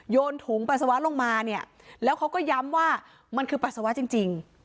นถุงปัสสาวะลงมาเนี่ยแล้วเขาก็ย้ำว่ามันคือปัสสาวะจริง